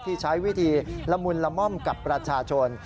ที่ใช้วิธีละมุนละม่อมกับประชาชน